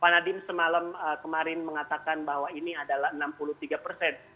pak nadiem semalam kemarin mengatakan bahwa ini adalah enam puluh tiga persen